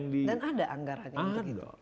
dan ada anggarannya